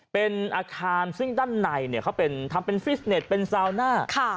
เป็นอาคารซึ่งด้านในเขาทำเป็นฟิสเน็ตเป็นซาวน่า